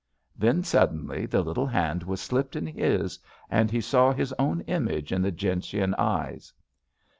Then suddenly the little hand was slipped in his and he saw his own image in the gentian eyes.